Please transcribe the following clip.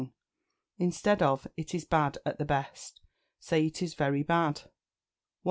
Instead of "It is bad at the best," say "It is very bad." 110.